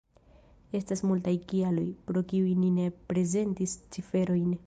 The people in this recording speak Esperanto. Estas multaj kialoj, pro kiuj ni ne prezentis ciferojn.